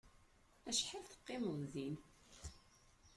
Acḥal teqqimeḍ din?